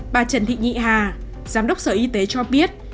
bà trần thị nhị hà giám đốc sở y tế cho biết